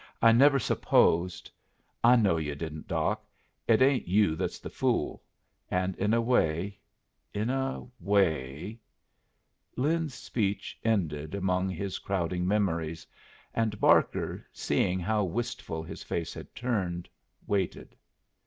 "I never supposed " "I know yu' didn't, Doc. It ain't you that's the fool. And in a way in a way " Lin's speech ended among his crowding memories, and Barker, seeing how wistful his face had turned, waited.